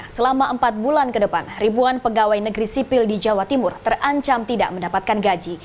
selama empat bulan ke depan ribuan pegawai negeri sipil di jawa timur terancam tidak mendapatkan gaji